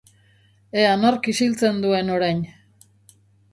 Ea nork isiltzen duen orain.